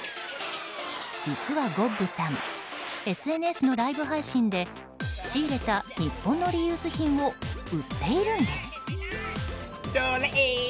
実は、ゴッブさんＳＮＳのライブ配信で仕入れた日本のリユース品を売っているんです。